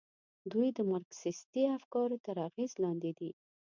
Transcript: دوی د مارکسیستي افکارو تر اغېز لاندې دي.